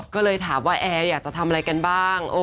ก็เลยถามว่าแอร์อยากจะทำอะไรกันบ้าง